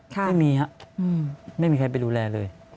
ไม่มีครับไม่มีใครไปดูแลเลย